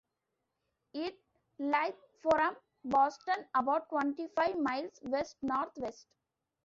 It lieth from Boston about twenty-five miles west north west.